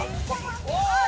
・おい！